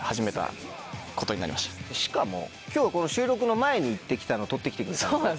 しかも今日この収録の前に行って来たの撮って来てくれたんだよね？